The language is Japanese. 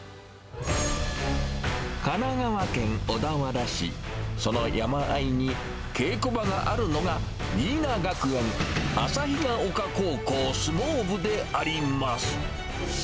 神奈川県小田原市、その山あいに、稽古場があるのが、新名学園旭丘高校相撲部であります。